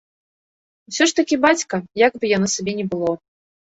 Усё ж такі бацька, як бы яно сабе ні было.